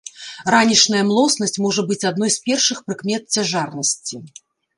Ранішняя млоснасць можа быць адной з першых прыкмет цяжарнасці.